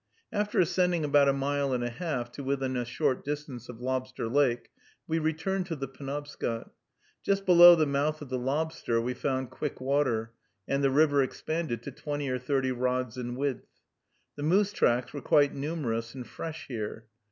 After ascending about a mile and a half, to within a short distance of Lobster Lake, we returned to the Penobscot. Just below the mouth of the Lobster we found quick water, and the river expanded to twenty or thirty rods in width. The moose tracks were quite numerous and fresh here.